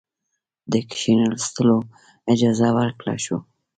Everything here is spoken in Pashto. د کښېنستلو اجازه ورکړه شوه.